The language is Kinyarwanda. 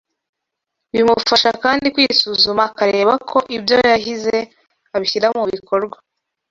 Bimufasha kandi kwisuzuma akareba ko ibyo yahize abishyira mu bikora